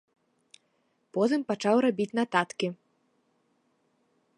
Потым пачаў рабіць нататкі.